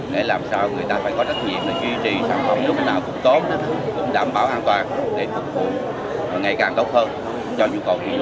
để làm sao người ta phải có trách nhiệm để duy trì sản phẩm lúc nào cũng tốt đảm bảo an toàn